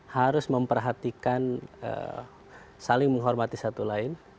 harus memperhatikan saling menghormati satu lain